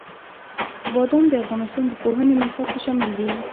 بادام د افغانستان د پوهنې نصاب کې شامل دي.